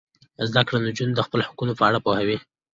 زده کړه نجونې د خپل حقونو په اړه پوهوي.